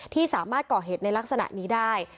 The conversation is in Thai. ที่สามารถก่อเหตุในลักษณะนี้ได้